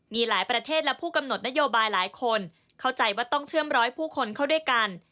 มีหลายประเทศและผู้กำหนดนโยบายหลายคนเข้าใจว่าต้องเชื่อมร้อยผู้คนเข้าด้วยกัน